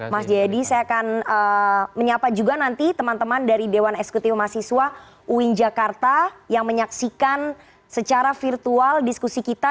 mas jayadi saya akan menyapa juga nanti teman teman dari dewan eksekutif mahasiswa uin jakarta yang menyaksikan secara virtual diskusi kita